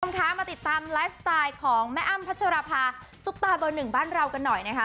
คุณผู้ชมคะมาติดตามไลฟ์สไตล์ของแม่อ้ำพัชรภาซุปตาเบอร์หนึ่งบ้านเรากันหน่อยนะคะ